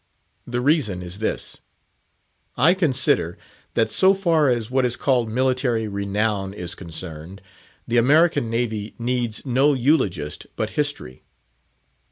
The reason is this: I consider, that so far as what is called military renown is concerned, the American Navy needs no eulogist but History.